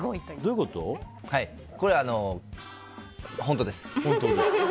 これあの本当です。